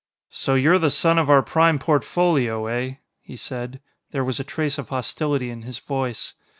"So you're the son of our Prime Portfolio, eh?" he said. There was a trace of hostility in his voice.